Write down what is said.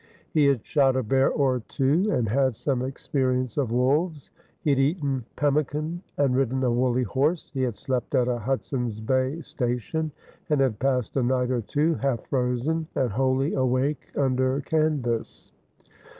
He had shot a bear or two, and had some experience of wolves. He had eaten pemmican, and ridden a woolly horse ; he had slept at a Hudson's Bay station, and had passed a night or two, half frozen and wholly awake, under canvas.